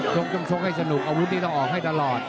ต้องชกให้สนุกอาวุธนี้ต้องออกให้ตลอด